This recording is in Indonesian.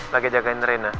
lagi jagain rena